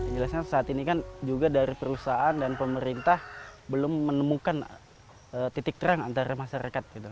jelasnya saat ini kan juga dari perusahaan dan pemerintah belum menemukan titik terang antara masyarakat gitu